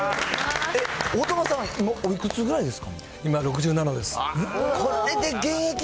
大友さん、今、おいくつぐらいですか？